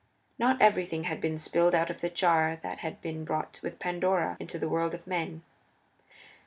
Not everything had been spilled out of the jar that had been brought with Pandora into the world of men.